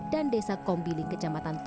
dan desa kombiling ke jambatan tengah